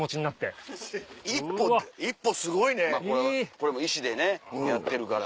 これも石でねやってるから。